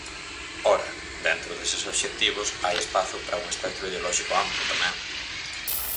Ora, dentro deses obxectivos hai espazo para un espectro ideolóxico amplo, tamén.